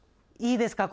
いいですか？